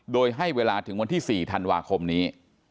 โดยให้เวลาถึงวันที่๔ธันวาคมนี้